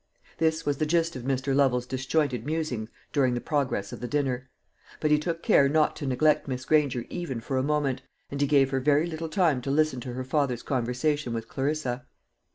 This was the gist of Mr. Lovel's disjointed musings during the progress of the dinner; but he took care not to neglect Miss Granger even for a moment, and he gave her very little time to listen to her father's conversation with Clarissa.